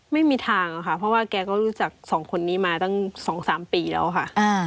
ไม่มีทางค่ะเพราะว่าแกก็รู้จักสองคนนี้มาตั้ง๒๓ปีแล้วค่ะ